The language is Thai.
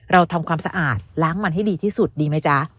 เราทำความสะอาดล้างมันให้ดีที่สุดดีไหมจ๊ะ